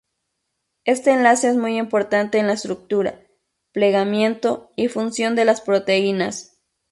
Este enlace es muy importante en la estructura, plegamiento y función de las proteínas.